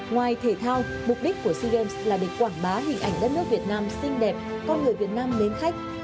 ngoài thể thao mục đích của sea games là để quảng bá hình ảnh đất nước việt nam xinh đẹp con người việt nam mến khách